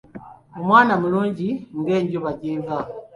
Omwana mulungi nga Enjuba gy’eva.